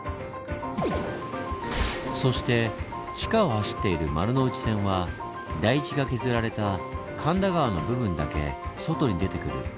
そして地下を走っている丸ノ内線は台地が削られた神田川の部分だけ外に出てくるということだったんです。